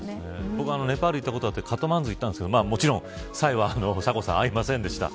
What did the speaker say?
僕、ネパール行ったことあってカトマンズに行ったんですけどサイは会いませんでした。